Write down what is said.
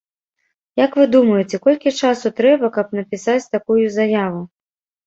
Як вы думаеце, колькі часу трэба, каб напісаць такую заяву?